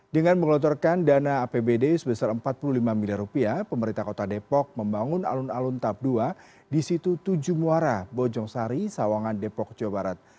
dengan mengelotorkan dana apbd sebesar empat puluh lima miliar rupiah pemerintah kota depok membangun alun alun tap ii di situ tujuh muara bojong sari sawangan depok jawa barat